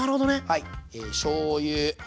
はい。えしょうゆ。